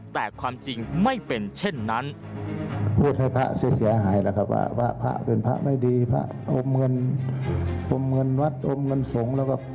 แต่ความจริงไม่เป็นเช่นนั้น